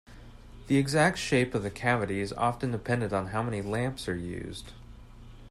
The exact shape of the cavity is often dependent on how many lamps are used.